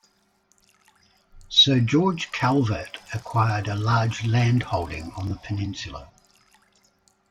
Sir George Calvert acquired a large land holding on the peninsula.